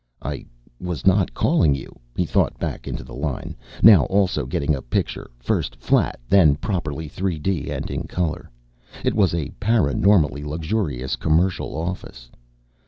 "I was not calling you," he thought back into the line, now also getting a picture, first flat, then properly 3 D and in color. It was a paraNormally luxurious commercial office.